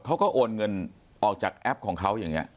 โอนเงินออกจากแอปของเขาอย่างนี้